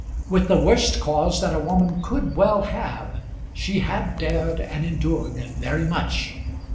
With the worst cause that a woman could well have, she had dared and endured very much.